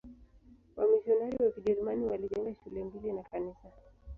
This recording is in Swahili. Wamisionari wa Kijerumani walijenga shule mbili na kanisa.